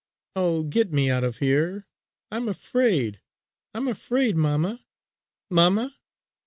Oh, get me out of here! I'm afraid! I'm afraid! Mamma! Mamma!